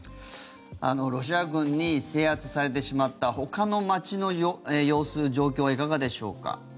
ロシア軍に制圧されてしまったほかの街の様子、状況はいかがでしょうか？